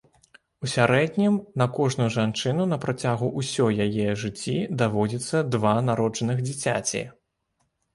У сярэднім на кожную жанчыну на працягу ўсёй яе жыцці даводзіцца два народжаных дзіцяці.